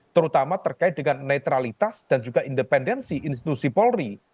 terutama terkait dengan netralitas dan juga independensi institusi polri